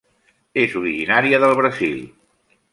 És originària del Brasil.